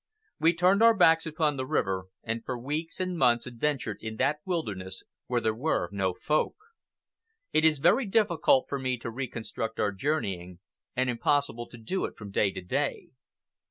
We turned our backs upon the river, and for weeks and months adventured in that wilderness where there were no Folk. It is very difficult for me to reconstruct our journeying, and impossible to do it from day to day.